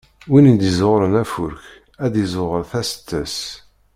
Win i d-izzuɣren afurk, ad d-izzuɣer taseṭṭa-s.